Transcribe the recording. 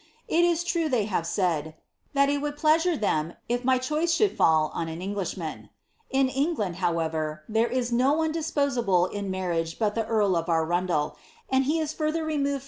]t is true they have said, ' that it would pleasure them if my choice should fall on an Eng lishman.' In England, however, there is no one disposable in marriage but the earl of Arundel,* and he is further removed from ilie match than >Mc!